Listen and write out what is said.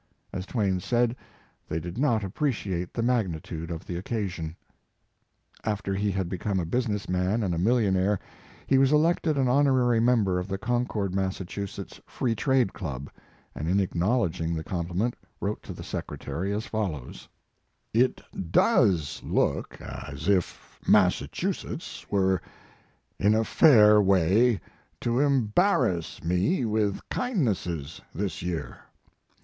As Twain said: "They did not appreci ate the magnitude of the occasion." After he had become a business man and a millionaire he was elected an honorary member of the Concord, Mass., Free Trade Club, and in acknowledging the compliment wrote to the secretary as follows: It does look as if Massachusetts were in a fair way to embarrass me with kind nesses this year.